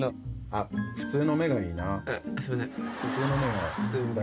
普通の目がいいな。